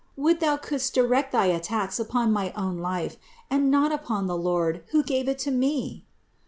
Would thou couldst direct thy attacks upon my own life, and not upon the Lord, who gave it to me!